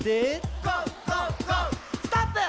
「ストップ！」